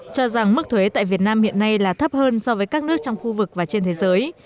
cho rằng mức thuế tại việt nam hiện nay là thấp hơn so với các nước trong khu vực và trên thế giới